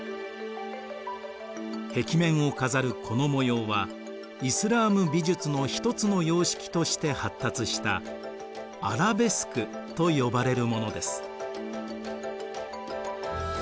壁面を飾るこの模様はイスラーム美術の一つの様式として発達したアラベスクと呼ばれるものです。